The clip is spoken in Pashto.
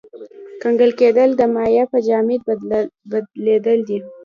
کنګل کېدل د مایع په جامد بدلیدل دي.